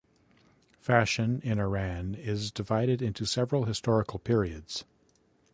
Fashion in Iran is divided into several historical periods.